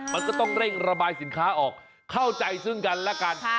มันก็ต้องเร่งระบายสินค้าออกเข้าใจซึ่งกันแล้วกัน